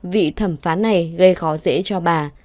vị thẩm phán này gây khó dễ cho bà